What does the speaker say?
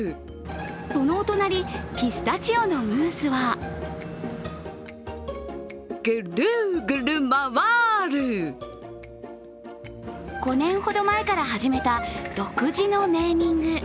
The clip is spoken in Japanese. そのお隣、ピスタチオのムースは５年ほど前から始めた独自のネーミング。